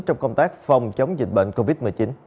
trong công tác phòng chống dịch bệnh covid một mươi chín